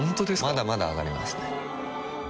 まだまだ上がりますね